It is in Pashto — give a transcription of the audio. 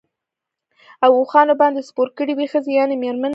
او اوښانو باندي سپور کړی وې، ښځي يعني ميرمنې